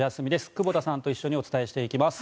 久保田さんと一緒にお伝えしていきます。